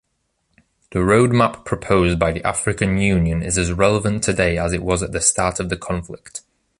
The roadmap proposed by the African Union is as relevant today as it was at the start of the conflict.